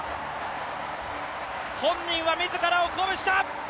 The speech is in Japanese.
本人は自らを鼓舞した！